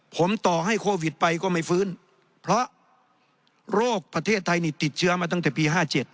ผมต่อให้โควิดไปก็ไม่ฟื้นเพราะโรคประเทศไทยนี่ติดเชื้อมาตั้งแต่ปี๕๗